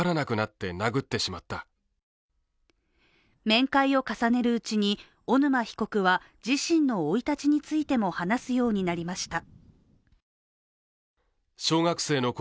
面会を重ねるうちに小沼被告は、自身の生い立ちについても話すようになりました。